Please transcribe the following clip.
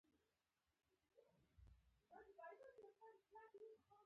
اغزي د کاکتوس د اوبو ساتنه کوي